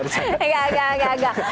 enggak enggak enggak